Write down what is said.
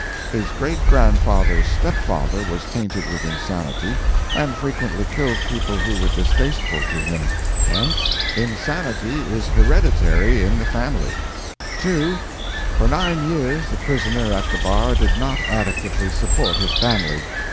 His great grandfather's stepfather was tainted with insanity, and frequently killed people who were distasteful to him. Hence, insanity is hereditary in the family. "2. For nine years the prisoner at the bar did not adequately support his family.